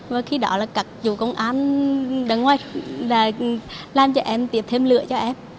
và khi đó là các chủ công an đã làm cho em tìm thêm lựa cho em